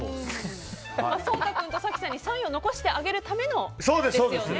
颯太君と早紀さんに３位を残してあげるためですよね。